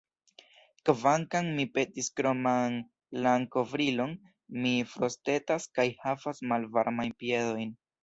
Kvankam mi petis kroman lankovrilon, mi frostetas kaj havas malvarmajn piedojn.